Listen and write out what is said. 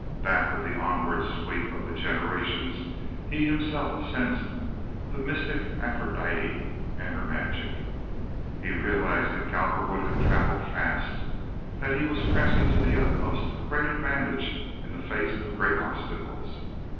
Back of the onward sweep of the generations he himself sensed the mystic Aphrodite and her magic. He realized that Cowperwood had traveled fast—that he was pressing to the utmost a great advantage in the face of great obstacles.